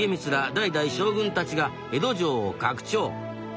代々将軍たちが江戸城を拡張。